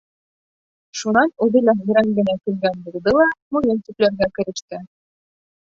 Шунан үҙе лә һүрән генә көлгән булды ла муйыл сүпләргә кереште.